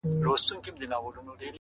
چي یې هیري دښمنۍ سي د کلونو د عمرونو!.